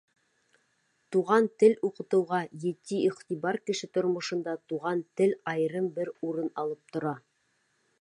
Туған тел уҡытыуға — етди иғтибар Кеше тормошонда туған тел айырым бер урын алып тора.